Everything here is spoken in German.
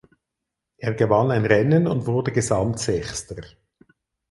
Er gewann ein Rennen und wurde Gesamtsechster.